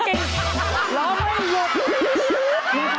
ร้องไม่หยุด